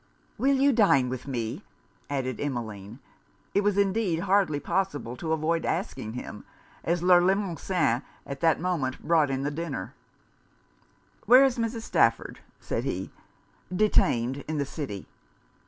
Will you dine with me?' added Emmeline. It was indeed hardly possible to avoid asking him, as Le Limosin at that moment brought up the dinner. 'Where is Mrs. Stafford?' said he. 'Detained in the city.'